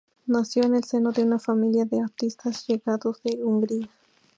Nació en el seno de una familia de artistas llegados de Hungría.